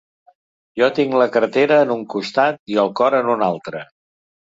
Jo tinc la cartera en un costat i el cor en un altre.